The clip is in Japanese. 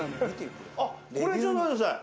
あっこれちょっと待ってください。